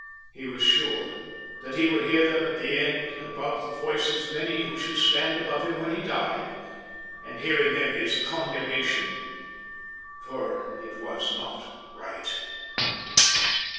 He was sure that he would hear them at the end above the voices of any who should stand about him when he died, and hear in them his condemnation. For it was not right.